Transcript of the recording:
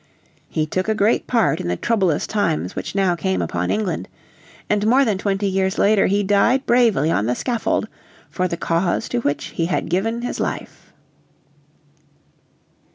He took a great part in the troublous times which now came upon England, and more than twenty years later he died bravely on the scaffold for the cause to which he had given his life.